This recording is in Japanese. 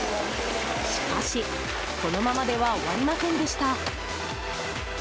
しかし、このままでは終わりませんでした。